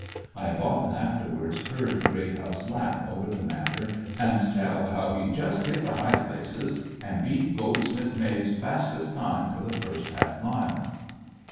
I have often afterwards heard Greathouse laugh over the matter and tell how he "just hit the high places," and beat Goldsmith Maid's fastest time, for the first half mile.